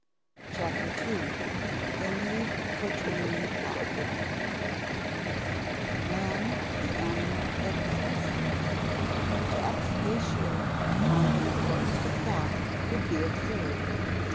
CHAPTER TWO THE NEED FOR TRAINING THOUGHT [Sidenote: Man the animal that thinks] To expatiate upon the importance of thought would be absurd.